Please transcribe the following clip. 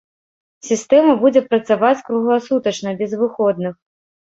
Сістэма будзе працаваць кругласутачна, без выходных.